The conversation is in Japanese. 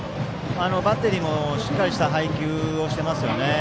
バッテリーもしっかりした配球をしていますね。